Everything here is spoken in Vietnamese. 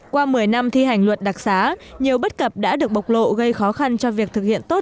qua một mươi năm thi hành luật đặc xá nhiều bất cập đã được bộc lộ gây khó khăn cho việc thực hiện tốt